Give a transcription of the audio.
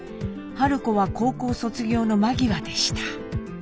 子は高校卒業の間際でした。